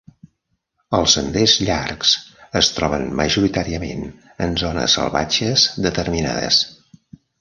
Els senders llargs es troben majoritàriament en zones salvatges determinades.